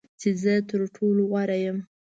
چې زه تر ټولو غوره یم .